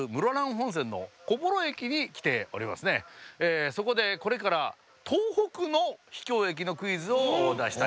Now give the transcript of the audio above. そこでこれから東北の秘境駅のクイズを出したいと思います。